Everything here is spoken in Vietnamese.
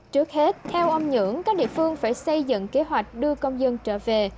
trước hết theo ông nhưỡng các địa phương phải xây dựng kế hoạch đưa công dân trở về